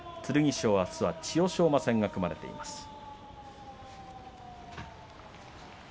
剣翔は、あすは千代翔馬戦が組まれています。